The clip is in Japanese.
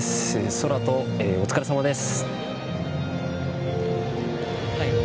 宙斗、お疲れさまです。